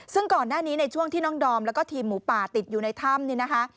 ซึ่งก่อนหน้านี้ในช่วงที่น้องดอมแล้วก็ทีมหมูป่าติดอยู่ในถ้ำเนี่ยนะคะ